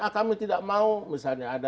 ah kami tidak mau misalnya